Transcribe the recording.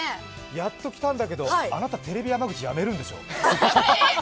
やっと来たんだけど、あなたテレビ山口、辞めるんでしょ？